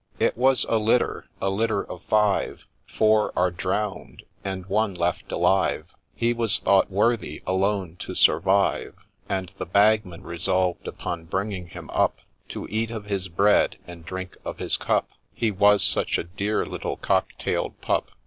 IT was a litter, a litter of five, Four are drown'd, and one left alive, He was thought worthy alone to survive ; And the Bagman resolved upon bringing him up, To eat of his bread and drink of his cup, He was such a dear little cock tail'd pup